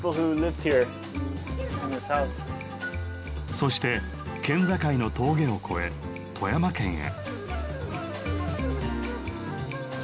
そして県境の峠を越え富山県へ。